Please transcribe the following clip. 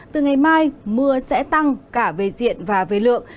từ ngày mai mưa sẽ tăng cả về diện và về lượng